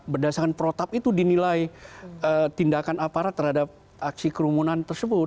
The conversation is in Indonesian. berdasarkan protap itu dinilai tindakan aparat terhadap aksi kerumunan tersebut